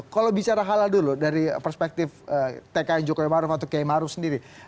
kalau bicara halal dulu dari perspektif tki joko iwanoff atau km arief sendiri